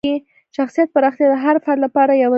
شخصیت پراختیا د هر فرد لپاره یوه ژوندۍ اړتیا ده.